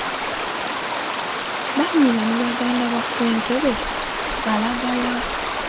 Bannyina ne baganda ba ssentebe balaga wa?